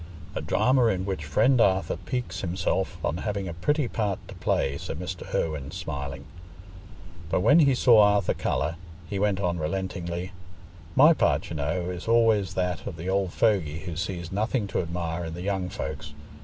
"A drama in which friend Arthur piques himself on having a pretty part to play," said Mr. Irwine, smiling. But when he saw Arthur colour, he went on relentingly, "My part, you know, is always that of the old fogy who sees nothing to admire in the young folks.